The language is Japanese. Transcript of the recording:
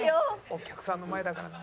お客さんの前だからな。